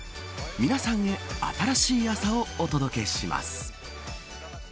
皆さんへ新しい朝をお届けします。